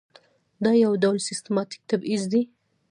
دا یو ډول سیستماتیک تبعیض دی.